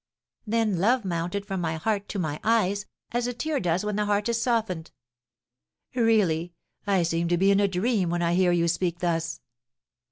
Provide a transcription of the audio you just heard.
Then love mounted from my heart to my eyes, as a tear does when the heart is softened." "Really, I seem to be in a dream when I hear you speak thus!"